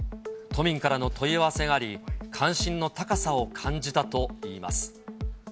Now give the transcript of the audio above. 都民からの問い合わせがあり、関心の高さを感じたといいます。